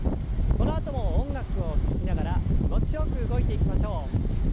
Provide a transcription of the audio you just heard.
このあとも音楽を聞きながら気持ちよく動いていきましょう。